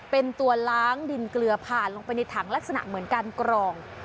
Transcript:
เป็นตัวล้างดินเกลือผ่านลงไปในถังลักษณะเหมือนการกรอง